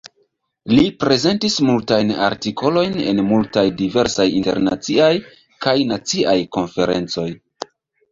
Li prezentis multajn artikolojn en multaj diversaj internaciaj kaj naciaj konferencoj.